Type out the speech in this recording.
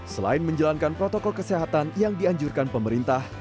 selain menjalankan protokol kesehatan yang dianjurkan pemerintah